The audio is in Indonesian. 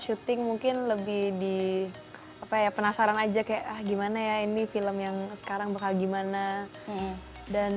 syuting mungkin lebih di apa ya penasaran aja kayak ah gimana ya ini film yang sekarang bakal gimana dan